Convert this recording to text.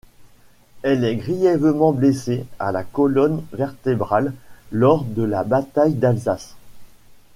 Il est grièvement blessé à la colonne vertébrale lors de la bataille d'Alsace.